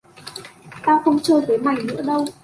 Tao không chơi với mày nữa đâu